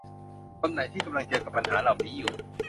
คนไหนที่กำลังเจอกับปัญหาเหล่านี้อยู่